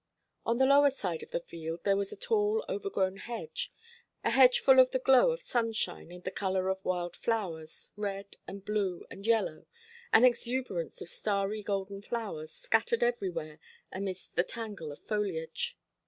On the lower side of the field there was a tall overgrown hedge; a hedge full of the glow of sunshine and the colour of wild flowers, red and blue and yellow, an exuberance of starry golden flowers, scattered everywhere amidst the tangle of foliage.